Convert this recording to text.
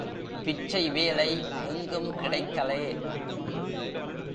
பிச்சை வேலை எங்கும் கிடைக்கலே.